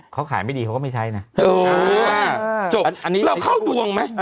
เขาขายไม่ดีเขาก็ไม่ใช้นะเออจบอันนี้เราเข้าดวงไหม